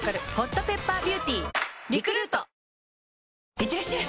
いってらっしゃい！